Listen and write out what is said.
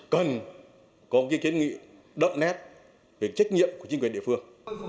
cần có cái kiến nghị đậm nét về trách nhiệm của chính quyền địa phương